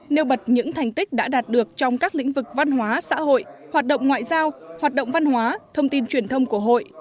nêu bật những thành tích đã đạt được trong các lĩnh vực văn hóa xã hội hoạt động ngoại giao hoạt động văn hóa thông tin truyền thông của hội